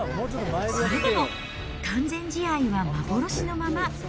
それでも完全試合は幻のまま。